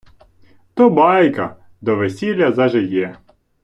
то байка, – до весіля зажиє